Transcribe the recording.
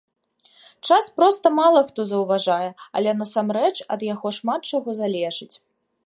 Час проста мала хто заўважае, але насамрэч ад яго шмат чаго залежыць.